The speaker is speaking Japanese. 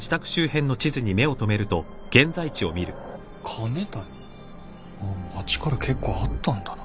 「庚申谷」あっ町から結構あったんだな。